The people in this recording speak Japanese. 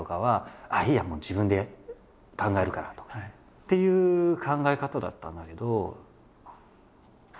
っていう考え方だったんだけどそれをね